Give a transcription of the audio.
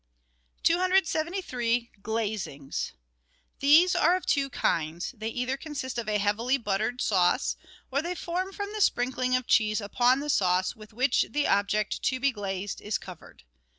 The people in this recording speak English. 272— GLAZINGS These are of two kinds — they either consist of a heavily buttered sauce, or they form from a sprinkling of cheese upon the sauce with which the object to be glazed is covered.